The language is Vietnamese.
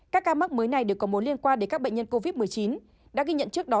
các ca mắc mới này đều có mối liên quan đến các bệnh nhân covid một mươi chín đã ghi nhận trước đó